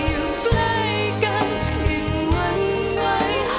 อยู่ใกล้กันยังหวั่นไหว